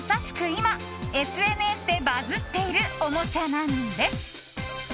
今ＳＮＳでバズっているおもちゃなんです。